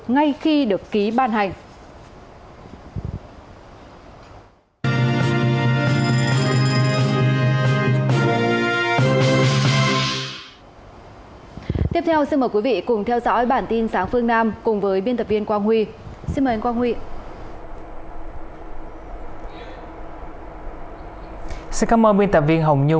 ngay khi được ký ban hành